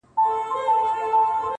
پر ښايستوكو سترگو،